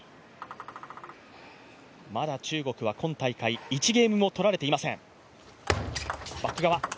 まだ中国は今大会１ゲームも取られていません。